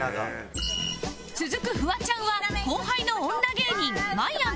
続くフワちゃんは後輩の女芸人まいあんつに電話